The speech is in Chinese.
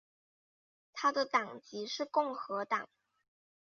他的党籍是共和党。